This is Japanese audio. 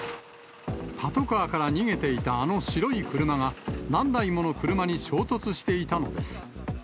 パトカーから逃げていたあの白い車が、何台もの車に衝突していたのです。